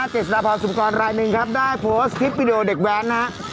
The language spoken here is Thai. เจษฎาพรสุปกรรายหนึ่งครับได้โพสต์คลิปวิดีโอเด็กแว้นนะฮะ